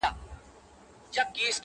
ځکه لا هم پاته څو تڼۍ پر ګرېوانه لرم,